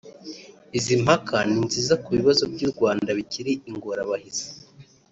Izi mpaka ni nziza ku bibazo by’u Rwanda bikiri ingorabahizi